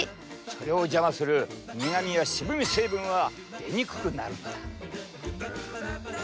それを邪魔する苦みや渋み成分は出にくくなる。